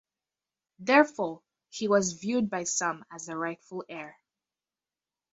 Therefore, he was viewed by some as the rightful heir.